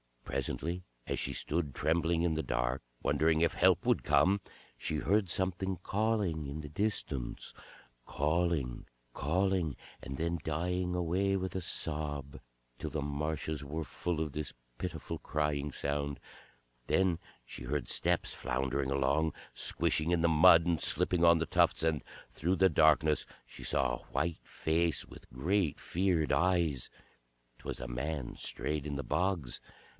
Presently as she stood trembling in the dark, wondering if help would come, she heard something calling in the distance, calling, calling, and then dying away with a sob, till the marshes were full of this pitiful crying sound; then she heard steps floundering along, squishing in the mud and slipping on the tufts, and through the darkness she saw a white face with great feared eyes. 'T was a man strayed in the bogs.